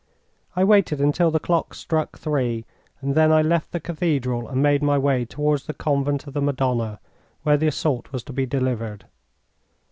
I waited until the clock struck three, and then I left the cathedral and made my way toward the Convent of the Madonna, where the assault was to be delivered.